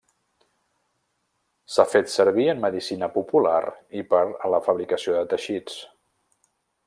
S'ha fet servir en medicina popular i per a la fabricació de teixits.